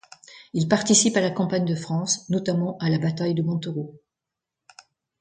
Il participe à la campagne de France, notamment à la bataille de Montereau.